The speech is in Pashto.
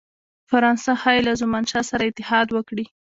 فرانسه ښايي له زمانشاه سره اتحاد وکړي.